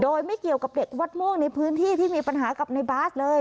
โดยไม่เกี่ยวกับเด็กวัดม่วงในพื้นที่ที่มีปัญหากับในบาสเลย